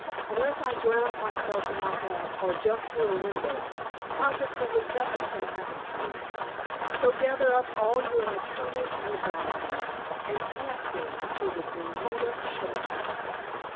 Unless I drown myself in my bath, or jump through a window, positively nothing can happen to me. So gather up all your maternal anxieties and cast them to the Bermuda sharks.